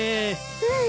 うん。